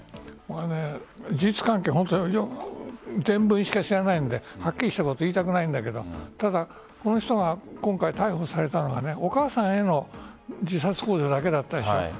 事実関係伝聞しか知らないのではっきりしたこと言いたくないんだけど今回、この人が逮捕されたのはお母さんへの自殺ほう助だけだったでしょう。